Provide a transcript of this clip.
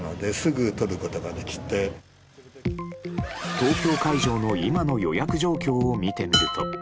東京会場の今の予約状況を見てみると。